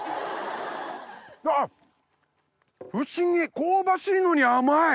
不思議香ばしいのに甘い！